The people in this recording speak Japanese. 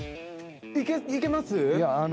いけます？